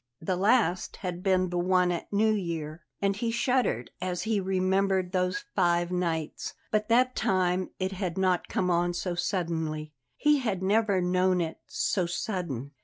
The last had been the one at New Year; and he shuddered as he remembered those five nights. But that time it had not come on so suddenly; he had never known it so sudden.